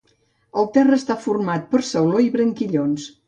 El terra està format per sauló i branquillons.